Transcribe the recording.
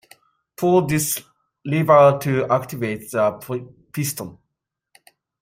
Pull this lever to activate the piston.